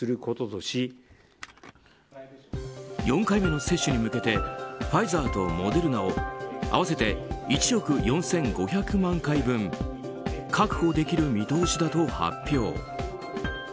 ４回目の接種に向けてファイザーとモデルナを合わせて１億４５００万回分確保できる見通しだと発表。